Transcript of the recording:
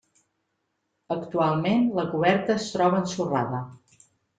Actualment la coberta es troba ensorrada.